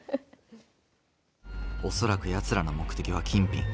恐らくやつらの目的は金品。